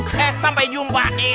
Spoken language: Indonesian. eh sampai jumpa